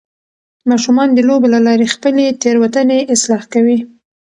ماشومان د لوبو له لارې خپلې تیروتنې اصلاح کوي.